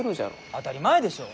当たり前でしょう！